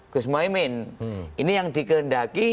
gus mohaimin ini yang dikehendaki